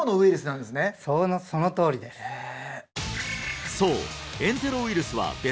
そのとおりですへえ